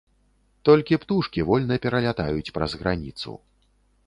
Толькі птушкі вольна пералятаюць праз граніцу.